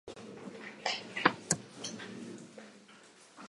Això es pot fer manualment o amb màquines.